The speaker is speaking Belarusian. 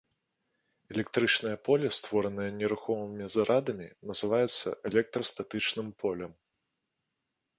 Электрычнае поле, створанае нерухомымі зарадамі, называецца электрастатычным полем.